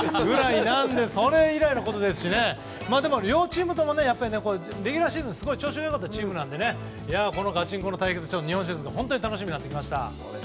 それ以来のことですし両チームともレギュラーシーズン、すごい調子の良かったチームなのでこのガチンコの対決日本シリーズ本当に楽しみになってきました。